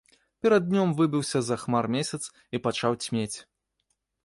Перад днём выбіўся з-за хмар месяц і пачаў цьмець.